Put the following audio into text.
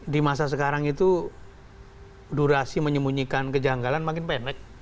di masa sekarang itu durasi menyembunyikan kejanggalan makin pendek